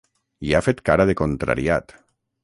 I ha fet cara de contrariat.